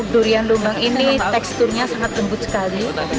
durian lumbang ini teksturnya sangat lembut sekali